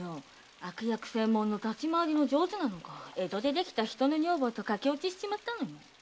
悪役専門の立ち回りの上手なのが江戸でできた人の女房と駆け落ちしちまったのよ。